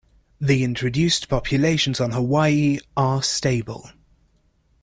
The introduced populations on Hawaii are stable.